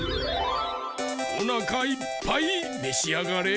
おなかいっぱいめしあがれ！